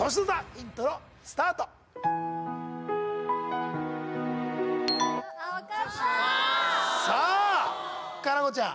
イントロスタート・あっ分かったさあ夏菜子ちゃん